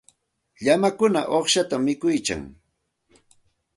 Llamakuna uqshatam mikuyan.